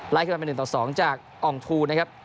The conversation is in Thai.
ไลค์ขึ้นไป๑๒จากอองทูนะครับ